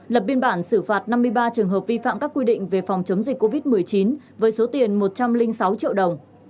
lập biên bản xử phạt năm mươi ba trường hợp vi phạm các quy định về phòng chống dịch covid một mươi chín với số tiền một trăm linh sáu triệu đồng